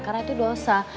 karena itu dosa